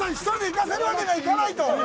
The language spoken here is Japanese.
１人で行かせるわけにはいかないと？